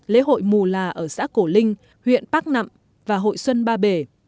lễ hội mù là ở xã cổ linh huyện bắc nậm và hội xuân ba bể